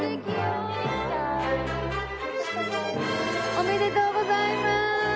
おめでとうございまーす！